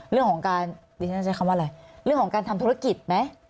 เรื่องของการดิฉันใช้คำว่าอะไรเรื่องของการทำธุรกิจไหม